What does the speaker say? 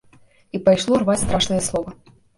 І пайшло рваць страшнае слова.